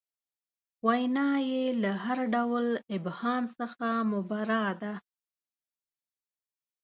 وینا یې له هر ډول ابهام څخه مبرا ده.